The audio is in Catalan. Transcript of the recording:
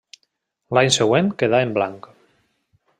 L'any següent quedà en blanc.